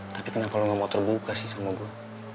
tapi kenapa lo gak mau terbuka sih sama gue